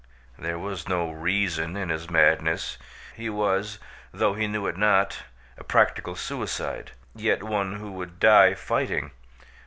There was no reason in his madness. He was, though he knew it not, a practical suicide, yet one who would die fighting.